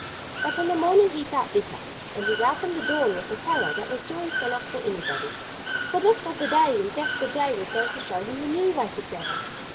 But in the morning he felt better. And he welcomed the dawn with a carol that was joyous enough for anybody. For this was the day when Jasper Jay was going to show him the new way to travel.